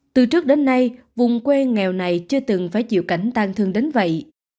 từ trước đến nay vùng quê nghèo này chưa từng phải chịu cảnh tan thương đến vậy